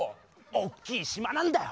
おっきい島なんだよ！